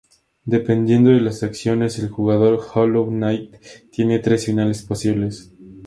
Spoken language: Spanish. Dependiendo de las acciones del jugador, Hollow Knight tiene tres finales posibles.